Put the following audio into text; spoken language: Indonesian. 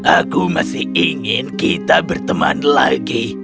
aku masih ingin kita berteman lagi